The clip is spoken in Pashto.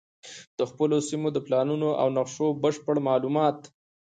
د خپلو سیمو د پلانونو او نقشو بشپړ معلومات